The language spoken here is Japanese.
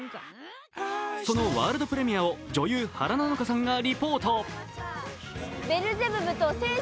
そのワールドプレミアを女優・原菜乃華さんがリポート。